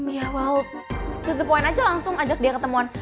iya wow to the point aja langsung ajak dia ketemuan